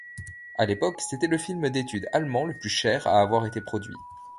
À l'époque, c'était le film d'étude allemand le plus cher à avoir été produit.